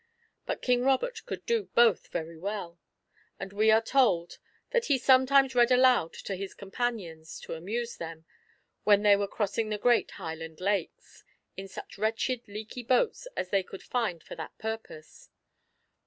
But King Robert could do both very well; and we are told that he sometimes read aloud to his companions, to amuse them, when they were crossing the great Highland lakes, in such wretched leaky boats as they could find for that purpose.